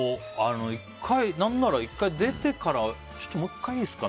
なんなら１回出てからちょっともう１回いいですか？